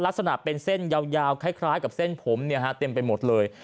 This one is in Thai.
ลักษณะเป็นเส้นยาวคล้ายกับเส้นผมเต็มไปหมดเลย